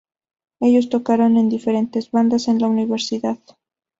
Ellos tocaron en diferentes bandas en la universidad.